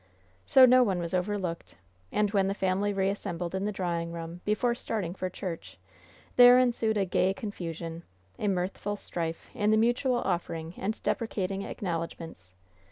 So no one was overlooked; and, when the family reassembled in the drawing room before starting for church, there ensued a gay confusion, a mirthful strife, in the mutual offering and deprecating acknowledgments.